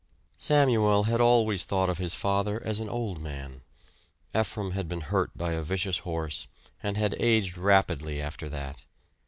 Samuel had always thought of his father as an old man; Ephraim had been hurt by a vicious horse, and had aged rapidly after that.